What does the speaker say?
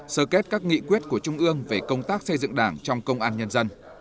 sơ kết các nghị quyết của trung ương về công tác xây dựng đảng trong công an nhân dân